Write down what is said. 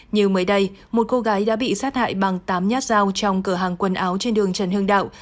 như mới đây một cô gái đã bị sát hại bằng tám nhát dao trong cửa hàng quần áo trên đường trần hưng đạo